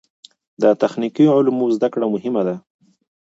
د تخنیکي علومو زده کړه مهمه ده.